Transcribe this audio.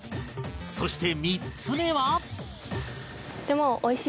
そして３つ目は